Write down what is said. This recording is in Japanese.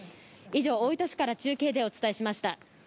以上、大分市から中継でお伝えしました。